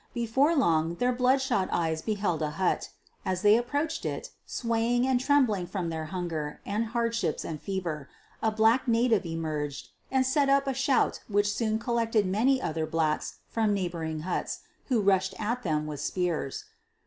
Before long their bloodshot eyes beheld a hut. As they approached it, swaying and trembling from their hunger and hardships and fever, a black native emerged and set up a shout which soon col lected many other blacks from neighboring huts, who rushed at them with spears.